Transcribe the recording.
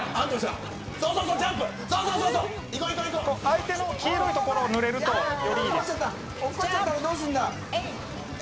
相手の黄色い所を塗れるとより、いいです。